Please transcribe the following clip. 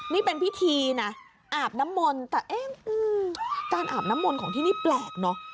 นี่เป็นพิธีนะอาบน้ำมนต์แต่เอ๊ะการอาบน้ำมนต์ของที่นี่แปลกเนอะ